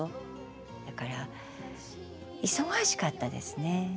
だから忙しかったですね。